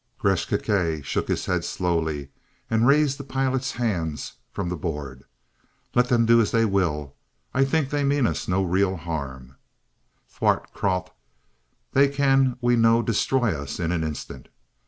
Gresth Gkae shook his head slowly, and raised the pilot's hands from the board. "Let them do as they will. I think they mean us no real harm, Thart Kralt. They can, we know, destroy us in an instant.